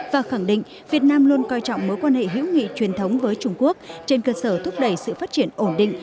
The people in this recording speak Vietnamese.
và khẳng định việt nam luôn coi trọng mối quan hệ hữu nghị truyền thống với trung quốc trên cơ sở thúc đẩy sự phát triển ổn định